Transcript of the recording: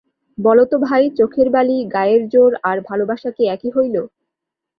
বলো তো ভাই, চোখের বালি, গায়ের জোর আর ভালোবাসা কি একই হইল।